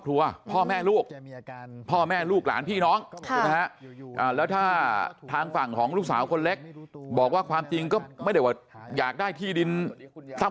เพราะมันเป็นปัญหาในครอบครัวใช่ไหม